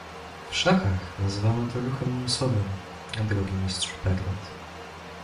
"„W szachach nazywamy to „ruchem musowym“, drogi mistrzu Pernat!"